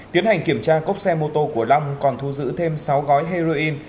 tiến hành kiểm tra cốc xe mô tô của long còn thu giữ thêm sáu gói heroin